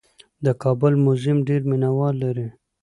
د کابل موزیم ډېر مینه وال لري.